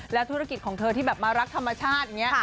ธุรกิจของเธอที่แบบมารักธรรมชาติอย่างนี้